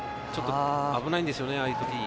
危ないんですよねああいう時。